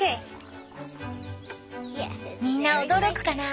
みんな驚くかな